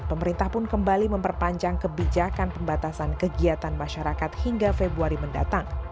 pemerintah pun kembali memperpanjang kebijakan pembatasan kegiatan masyarakat hingga februari mendatang